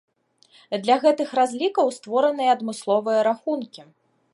Для гэтых разлікаў створаныя адмысловыя рахункі.